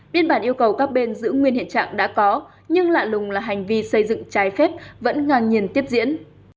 biên bản yêu cầu các bên giữ nguyên hiện trạng đã có nhưng lạ lùng là hành vi xây dựng trái phép vẫn ngang nhiên tiếp diễn